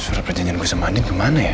surat rajinyen disgusting kemana ya